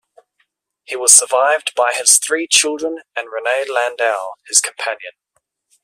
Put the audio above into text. He was survived by his three children and Renee Landau, his companion.